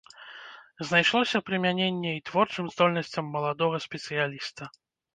Знайшлося прымяненні і творчым здольнасцям маладога спецыяліста.